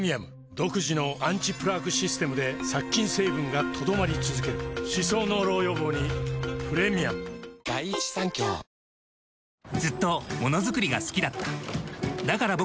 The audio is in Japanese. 独自のアンチプラークシステムで殺菌成分が留まり続ける歯槽膿漏予防にプレミアムやさしいマーン！！